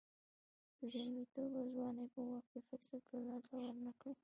د زلمیتوب او ځوانۍ په وخت کې فرصت له لاسه ورنه کړئ.